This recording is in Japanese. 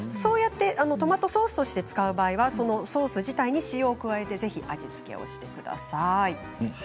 トマトソースとして使う場合はソース自体に塩を加えて味付けをしてください。